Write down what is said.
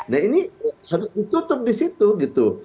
nah ini harus ditutup di situ gitu